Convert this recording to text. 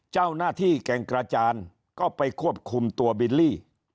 เจ้าหน้าที่แก่งกระจานก็ไปควบคุมตัวบิลลี่